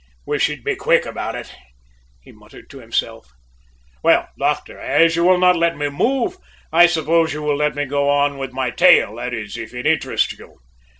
"I wish he'd be quick about it!" he muttered to himself. "Well, doctor, as you will not let me move, I suppose you will let me go on with my tale; that is, if it interests you!"